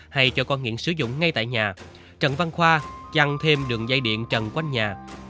hay cho con nghiện sử dụng ngay tại nhà trần văn khoa chăn thêm đường dây điện trần quanh nhà